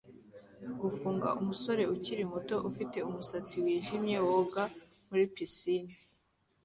Gufunga umusore ukiri muto ufite umusatsi wijimye woga muri pisine